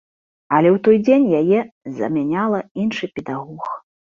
Але ў той дзень яе замяняла іншы педагог.